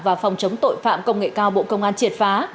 và phòng chống tội phạm công nghệ cao bộ công an triệt phá